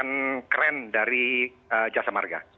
yang keren dari jasa marga